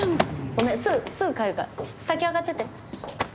ごめんすぐ帰るからちょっと先に上がってて。